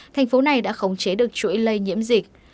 thành phố này đã khống chế được chuỗi lây nhiễm dịch